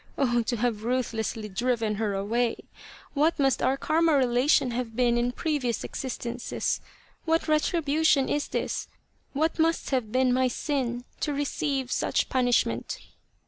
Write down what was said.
Oh, to have ruthlessly driven her away ! What must our Karma relation have been in previous existences ! What retribution is this ! What must have been my sin to receive such punishment